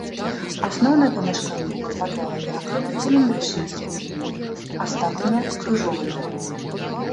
Асноўныя памяшканні паўпадвала перакрыты цыліндрычнымі скляпеннямі, астатнія крыжовымі.